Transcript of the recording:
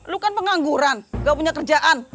lu kan pengangguran gak punya kerjaan